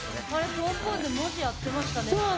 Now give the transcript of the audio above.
ポンポンで文字やってましたね。